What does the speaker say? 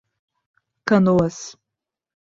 Canoas